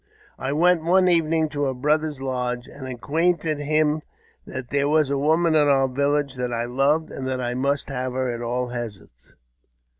I went one evening to her brother's lodge, and acquainted him that there was a woman in our village that I loved, and that I must have her at all hazards.